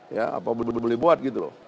ya apa boleh buat gitu loh